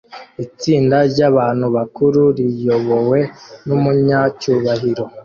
Itsinda ryabantu bakuru riyobowe numunyacyubahiro